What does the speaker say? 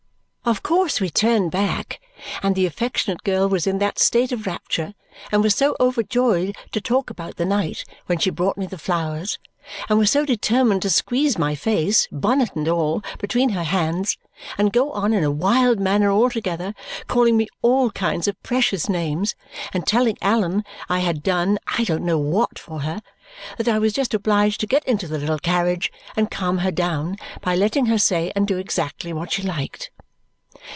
Of course we turned back, and the affectionate girl was in that state of rapture, and was so overjoyed to talk about the night when she brought me the flowers, and was so determined to squeeze my face (bonnet and all) between her hands, and go on in a wild manner altogether, calling me all kinds of precious names, and telling Allan I had done I don't know what for her, that I was just obliged to get into the little carriage and calm her down by letting her say and do exactly what she liked.